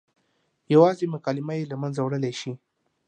یوازې مکالمه یې له منځه وړلی شي.